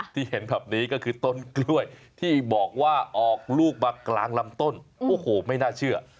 ที่เห็นแบบนี้ก็คือต้นกล้วยที่บอกว่าออกลูกมากลางลำต้นโอ้โหไม่น่าเชื่อ